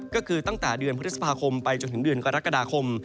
ก็คือตั้งแต่เดือนพฤษภาคมไปจนถึงเดือนกรกฎาคม